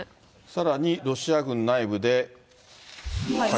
さらに、ロシア軍内部で。